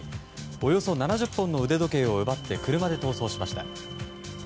およそ７０本の腕時計を奪って車で逃走しました。